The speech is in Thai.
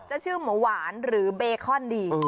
ชื่อหมูหวานหรือเบคอนดี